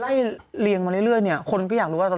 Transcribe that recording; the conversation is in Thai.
พอไล่เลี่ยงมาเรื่อยคนก็อยากรู้ว่า